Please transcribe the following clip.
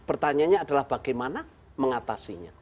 pertanyaannya adalah bagaimana mengatasinya